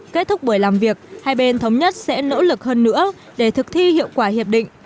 kết thúc buổi làm việc hai bên thống nhất sẽ nỗ lực hơn nữa để thực thi hiệu quả hiệp định